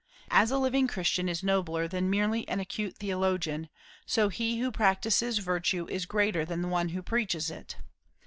As a living Christian is nobler than merely an acute theologian, so he who practises virtue is greater than the one who preaches it.